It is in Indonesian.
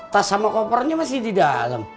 tas sama kopernya masih didalam